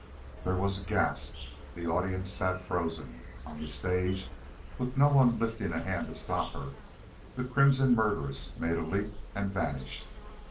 "_ There was a gasp. The audience sat frozen. On the stage, with no one lifting a hand to stop her, the crimson murderess made a leap and vanished.